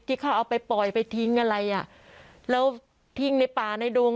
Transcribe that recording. ที่เขาเอาไปปล่อยไปทิ้งอะไรอ่ะแล้วทิ้งในป่าในดง